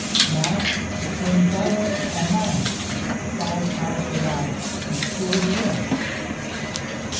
"Now the ten dollars are mine", bawled out the lad; and so they were.